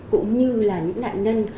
cũng như là những nạn nhân